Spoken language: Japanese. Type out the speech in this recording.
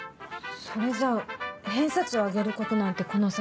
それじゃあ偏差値を上げることなんてこの先。